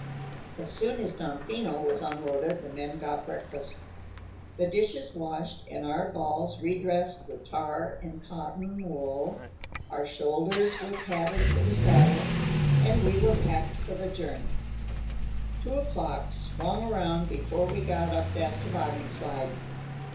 As soon as Damfino was unloaded the men got breakfast. The dishes washed and our galls redressed with tar and cotton wool, our shoulders were padded for the saddles, and we were packed for the journey. Two o'clock swung around before we got up that toboggan slide.